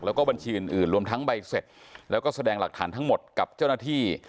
แล้วก็บัญชีอื่นรวมทั้งใบเสร็จแล้วก็แสดงหลักฐานทั้งหมดกับเจ้าหน้าที่